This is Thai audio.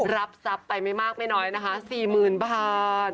รับทรัพย์ไปไม่มากไม่น้อยนะคะ๔๐๐๐บาท